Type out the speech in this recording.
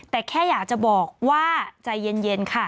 แต่แค่อยากจะบอกว่าใจเย็นค่ะ